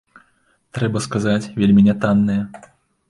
Трэба сказаць, вельмі нятанныя.